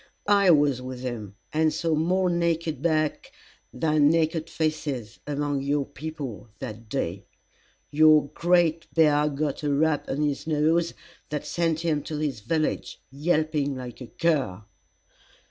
I was with him, and saw more naked backs than naked faces among your people, that day. Your Great Bear got a rap on his nose that sent him to his village yelping like a cur."